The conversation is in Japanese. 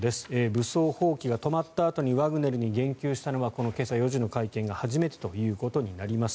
武装蜂起が止まったあとにワグネルに言及したのはこの今朝４時の会見が初めてとなります。